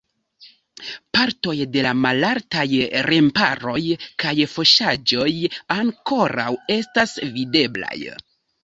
Partoj de la malaltaj remparoj kaj fosaĵoj ankoraŭ estas videblaj.